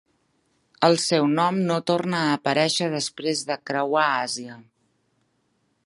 El seu nom no torna a aparèixer després de creuar a Àsia.